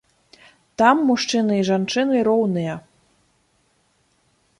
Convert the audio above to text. Там мужчыны і жанчыны роўныя.